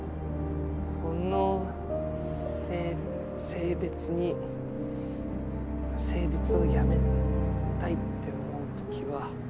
この性別に性別をやめたいって思う時は。